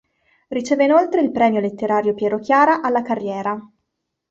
Riceve inoltre il Premio Letterario Piero Chiara alla carriera.